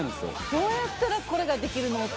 どうやったらこれができるの。